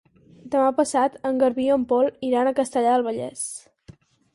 Demà passat en Garbí i en Pol iran a Castellar del Vallès.